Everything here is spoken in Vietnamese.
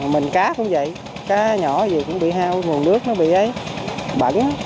mình cá cũng vậy cá nhỏ gì cũng bị hao nguồn nước nó bị bẩn